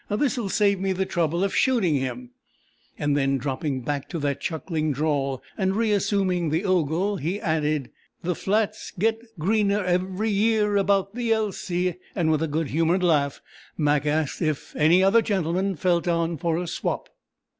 This'll save me the trouble of shooting him." Then dropping back to that chuckling drawl, and re assuming the ogle, he added: "The—flats—get—greener—every—year—about—the Elsey," and with a good humoured laugh Mac asked if "any other gentleman felt on for a swop."